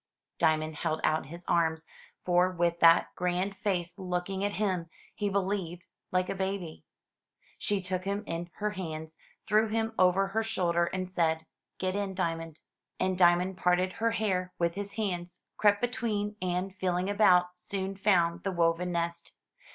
Diamond held out his arms, for with that grand face looking at him, he believed like a baby. She took him in her hands, threw him over her shoulder, and said, "Get in. Diamond." And Diamond parted her hair with his hands, crept between, and, feeling about, soon found the woven nest.